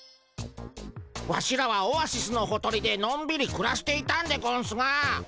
ワシらはオアシスのほとりでのんびりくらしていたんでゴンスが。